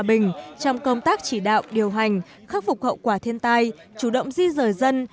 bình trong công tác chỉ đạo điều hành khắc phục hậu quả thiên tai chủ động di rời dân